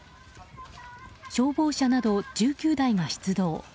消防車など１９台が出動。